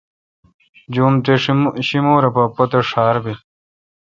جوم تے شیمور اے پا پتہ ڄھار بیل۔